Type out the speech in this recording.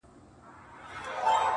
د دغې نجلۍ دغسې خندا ده په وجود کي”